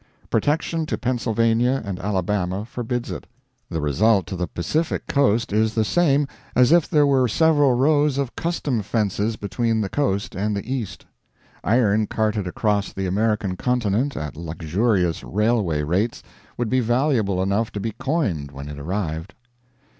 Protection to Pennsylvania and Alabama forbids it. The result to the Pacific coast is the same as if there were several rows of custom fences between the coast and the East. Iron carted across the American continent at luxurious railway rates would be valuable enough to be coined when it arrived.